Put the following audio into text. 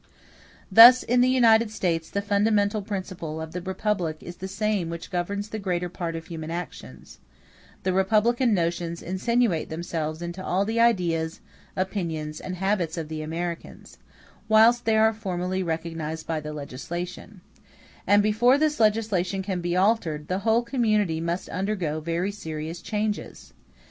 Thus, in the United States, the fundamental principle of the republic is the same which governs the greater part of human actions; republican notions insinuate themselves into all the ideas, opinions, and habits of the Americans, whilst they are formerly recognized by the legislation: and before this legislation can be altered the whole community must undergo very serious changes.